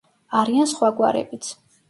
არიან სხვა გვარებიც.